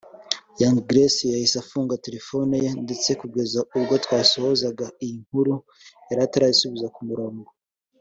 Young Grace yahise afunga telefone ye ndetse kugeza ubwo twasozaga iyi nkuru yari atarasubira ku murongo